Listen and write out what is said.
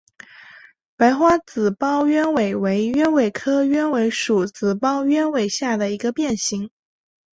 白花紫苞鸢尾为鸢尾科鸢尾属紫苞鸢尾下的一个变型。